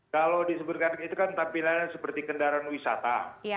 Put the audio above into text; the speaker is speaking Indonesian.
kalau disebutkan itu kan tampilannya seperti kendaraan wisata